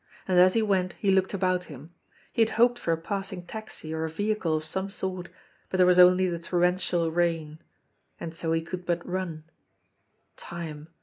And as he went he looked about him. He had hoped for a passing taxi or a vehicle of some sort, but there was only the torrential rain. And so he could but run. Time